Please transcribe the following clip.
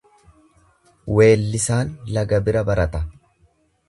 Weellisaan laga bira barata.